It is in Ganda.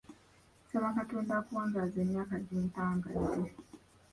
Nsaba Katonda akuwangaaze emyaka gye mpangadde.